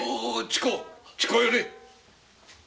近う寄れ。